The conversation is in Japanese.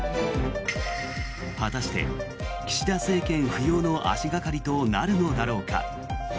果たして、岸田政権浮揚の足掛かりとなるのだろうか。